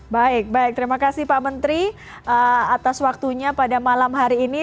baik baik terima kasih pak menteri atas waktunya pada malam hari ini